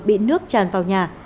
bị nước chàn vào nhà